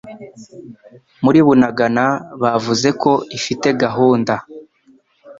muri Bunagana bavuze ko ifite gahunda